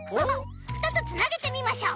２つつなげてみましょう！